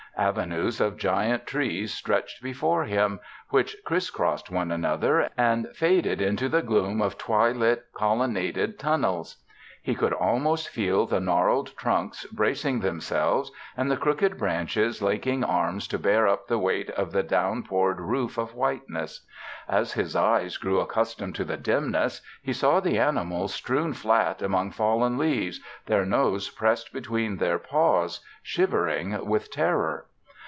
Avenues of giant trees stretched before him, which criss crossed one another and faded into the gloom of twilit, colonnaded tunnels. He could almost feel the gnarled trunks bracing themselves and the crooked branches linking arms to bear up the weight of the down poured roof of whiteness. As his eyes grew accustomed to the dimness, he saw the animals strewn flat among fallen leaves, their noses pressed between their paws, shivering with terror.